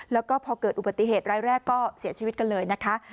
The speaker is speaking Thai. แล้วก็พอเกิดอุบัติเหตุรายแรกก็เสียชีวิตกันเลยนะคะ